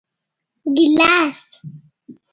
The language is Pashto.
🍒 ګېلاس